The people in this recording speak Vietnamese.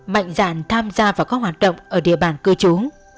mạnh dạn tham gia vào các hoạt động ở địa bàn cư trú